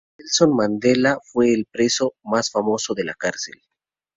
Nelson Mandela fue el preso más famoso de la cárcel.